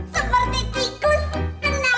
seperti tikus tenang dan gajah